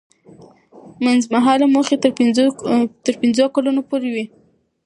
منځمهاله موخې تر پنځو کلونو پورې وي.